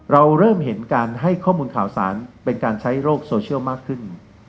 เราเริ่มเห็นการให้ข้อมูลข่าวสารเป็นการใช้โลกโซเชียลมากขึ้น